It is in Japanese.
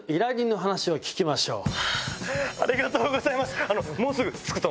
ありがとうございます！